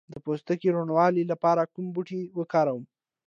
د پوستکي روڼوالي لپاره کوم بوټی وکاروم؟